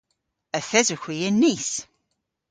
Yth esewgh hwi yn Nice.